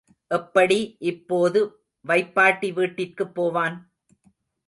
எப்படி இப்போது வைப்பாட்டி வீட்டிற்குப் போவான்?